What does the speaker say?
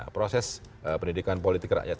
proses pendidikan politik rakyat